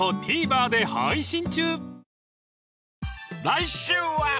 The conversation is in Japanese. ［来週は］